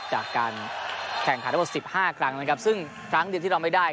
จากการแข่งขันทั้งหมดสิบห้าครั้งนะครับซึ่งครั้งเดียวที่เราไม่ได้